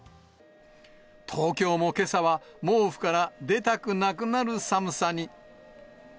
東京もけさは毛布から出たくなくなる寒さに。